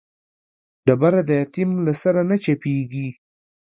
ډبره د يتيم له سره نه چپېږي.